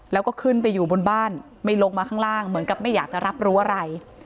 แล้วก็ขึ้นไปอยู่บนบ้านไม่ลงมาข้างล่างเหมือนกับไม่อยากจะรับรู้อะไร